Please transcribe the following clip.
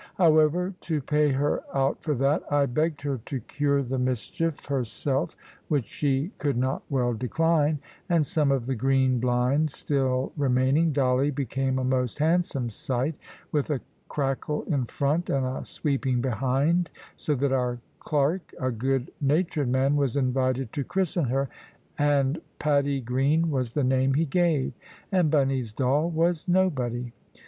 However, to pay her out for that, I begged her to cure the mischief herself, which she could not well decline; and some of the green blind still remaining, Dolly became a most handsome sight, with a crackle in front and a sweeping behind, so that our clerk, a good natured man, was invited to christen her; and "Patty Green" was the name he gave: and Bunny's doll was nobody.